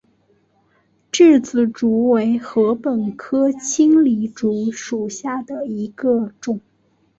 稚子竹为禾本科青篱竹属下的一个种。